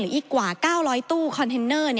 อีกกว่า๙๐๐ตู้คอนเทนเนอร์